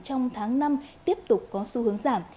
trong tháng năm tiếp tục có xu hướng giảm